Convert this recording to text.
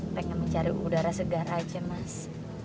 pengen mencari udara segar aja mas